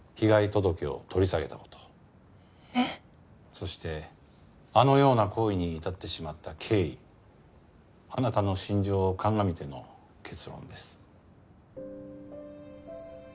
そしてあのような行為に至ってしまった経緯あなたの心情を鑑みての結論です。